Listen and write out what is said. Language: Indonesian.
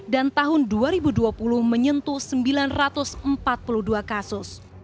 dan tahun dua ribu dua puluh menyentuh sembilan ratus empat puluh dua kasus